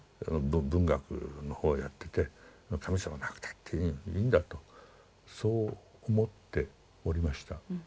文学のほうやってて神様なくたっていいんだとそう思っておりました。